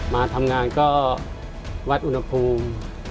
มาทำงานก็วัดอุณหภูมิ